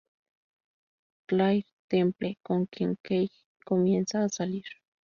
Claire Temple, con quien Cage comienza a salir.